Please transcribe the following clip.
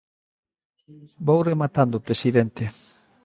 Vou rematando, presidente.